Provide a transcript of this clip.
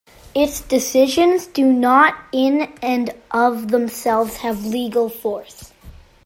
Its decisions do not in and of themselves have legal force.